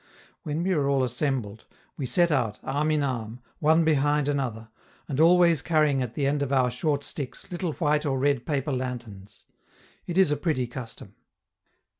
When we are all assembled, we set out, arm in arm, one behind another, and always carrying at the end of our short sticks little white or red paper lanterns; it is a pretty custom.